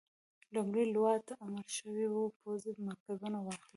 لومړۍ لواء ته امر شوی وو پوځي مرکزونه واخلي.